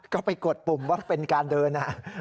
ก็ไปกดปุ่มว่าเป็นการเดิน